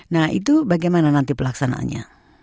nah itu bagaimana nanti pelaksanaannya